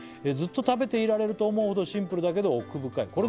「ずっと食べていられると思うほどシンプルだけど奥深い」